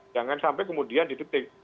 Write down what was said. jangan sampai kemudian ditetik